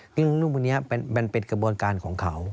เรื่องพวกนี้มันเป็นกระบวนการของเขา